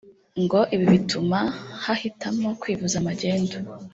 ngo ibi bituma hahitamo kwivuza magendu